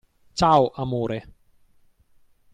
Ciao, amore!